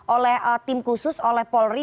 oleh tim khusus oleh polri